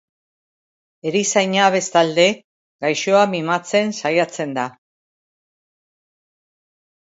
Erizaina bestalde, gaixoa mimatzen saiatzen da.